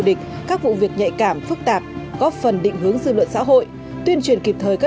địch các vụ việc nhạy cảm phức tạp góp phần định hướng dư luận xã hội tuyên truyền kịp thời các